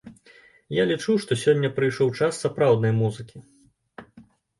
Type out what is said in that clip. Я лічу, што сёння прыйшоў час сапраўднай музыкі.